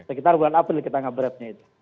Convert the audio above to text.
sekitar bulan april kita ngebretnya itu